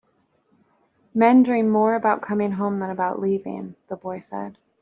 "Men dream more about coming home than about leaving," the boy said.